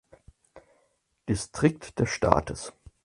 Distrikt des Staates.